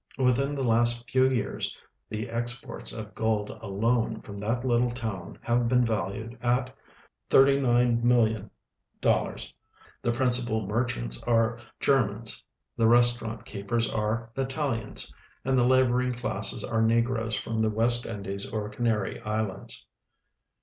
Within the last few years the exports of gold alone from that little town have been valued at 8oh,0( )0,( )00. The ])rincipal merchants are Germans, the restau rant keepers are Italians, and the lal)oring classes are negroes from the West Indies or Canary islands.